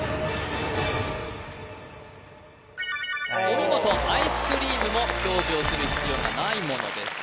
お見事アイスクリームも表示をする必要がないものです